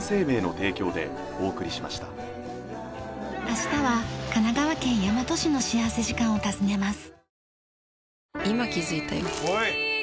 明日は神奈川県大和市の幸福時間を訪ねます。